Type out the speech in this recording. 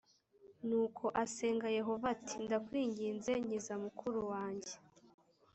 nuko asenga yehova ati ndakwinginze nkiza mukuru wanjye